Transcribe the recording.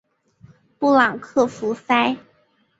布朗克福塞。